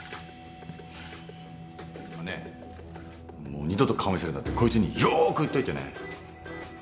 ねえもう二度と顔見せるなってこいつによく言っといてね。